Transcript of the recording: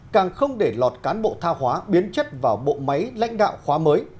càng không để lọt cán bộ tha hóa biến chất vào bộ máy lãnh đạo khóa mới